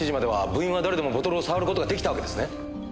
部員は誰でもボトルを触る事が出来たわけですね？